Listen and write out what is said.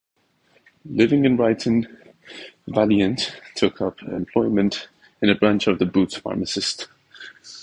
Living in Brighton, Valiente took up employment in a branch of the Boots pharmacist.